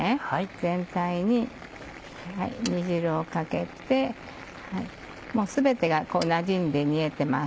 全体に煮汁をかけて全てがなじんで煮えてます。